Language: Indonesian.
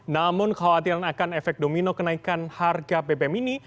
namun khawatiran akan efek domino kenaikan harga bbm ini